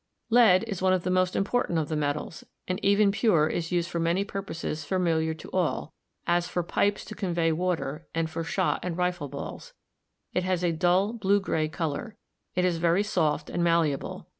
Lead is one of the most important of the metals, and even pure is used for many purposes familiar to all, as for pipes to convey water and for shot and rifle balls. It has a dull blue gray color. It is very soft and malleable.